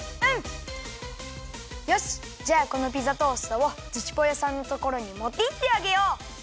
よしじゃあこのピザトーストをズチぽよさんのところにもっていってあげよう！